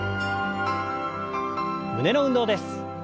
胸の運動です。